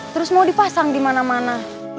terus mau dipasang di mana mana